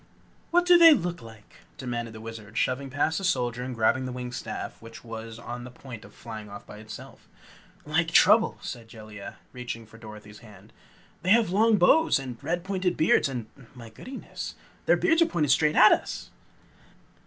"What do they look like?" demanded the Wizard, shoving past the soldier and grabbing the winged staff which was on the point of flying off by itself. "Like trouble!" said Jellia, reaching for Dorothy's hand. "They have long bows and pointed red beards and my goodyness their beards are pointed straight at us!"